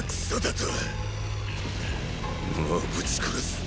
もうぶち殺す